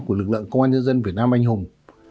của lực lượng công an nhân dân việt nam anh hùng